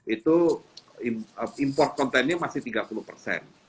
itu import kontennya masih tiga puluh persen